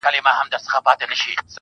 مړه راگوري مړه اكثر.